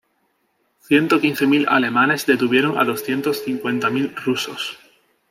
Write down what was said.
Ciento quince mil alemanes detuvieron a doscientos cincuenta mil rusos.